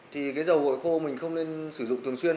thì cái dầu gội khô mình không nên sử dụng thường xuyên